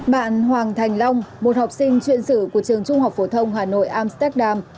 bạn hoàng thành long một học sinh chuyên sử của trường trung học phổ thông hà nội amsterdam